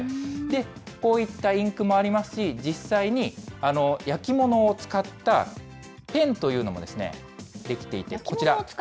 こういったインクもありますし、実際に焼き物を使ったペンというのもできていて、こちら。